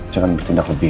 jangan bertindak lebih